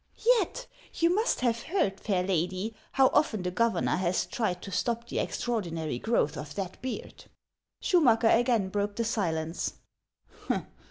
Yet you must have heard, fair lady, how often the governor has tried to stop the extraordinary growth of that beard." Schumacker again broke the silence.